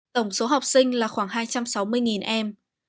tổng số học sinh là khoảng hai trăm sáu mươi em